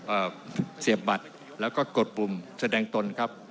เอ่อเสียบบัตรแล้วก็กดปุ่มแสดงตนครับ